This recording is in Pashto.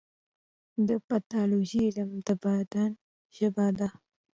د پیتالوژي علم د بدن ژبه ده.